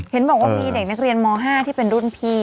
เห็นบอกว่ามีเด็กนักเรียนม๕ที่เป็นรุ่นพี่